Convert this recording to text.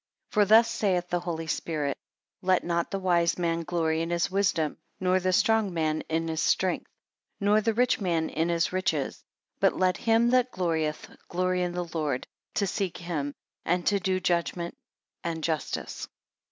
2 For thus saith the Holy Spirit; Let not the wise man glory in his wisdom, nor the strong man in his strength, nor the rich man in his riches; but let him that glorieth, glory in the Lord, to seek him, and to do judgment and justice.